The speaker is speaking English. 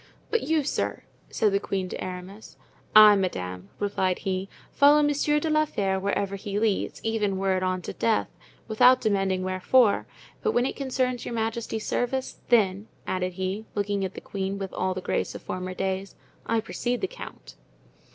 "But you, sir?" said the queen to Aramis. "I, madame," replied he, "follow Monsieur de la Fere wherever he leads, even were it on to death, without demanding wherefore; but when it concerns your majesty's service, then," added he, looking at the queen with all the grace of former days, "I precede the count."